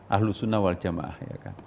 ahlus sunnah wal jamaah